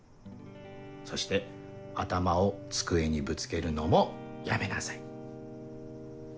そして頭を机にぶつけるのもやめなさい。